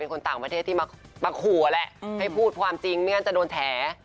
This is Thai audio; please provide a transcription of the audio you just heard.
คนต่างประเทศที่มาขู่แหละให้พูดความจริงไม่งั้นจะโดนแถ